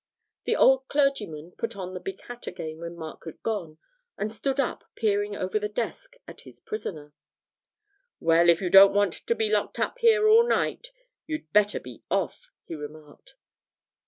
The old clergyman put on the big hat again when Mark had gone, and stood up peering over the desk at his prisoner. 'Well, if you don't want to be locked up here all night, you'd better be off,' he remarked.